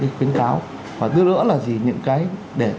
tôn giáo và đứa nữa là gì những cái để